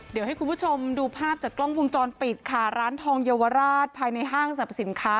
เดี๋ยวให้คุณผู้ชมดูภาพจากกล้องวงจรปิดค่ะร้านทองเยาวราชภายในห้างสรรพสินค้า